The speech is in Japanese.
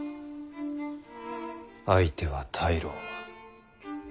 相手は大老。